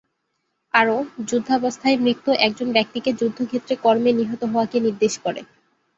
আরও, যুদ্ধাবস্থায় মৃত্যু একজন ব্যক্তিকে যুদ্ধক্ষেত্রে কর্মে নিহত হওয়াকে নির্দেশ করে।